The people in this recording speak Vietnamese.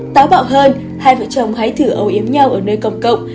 táo bạo hơn hai vợ chồng hãy thử ấu yếm nhau ở nơi công cộng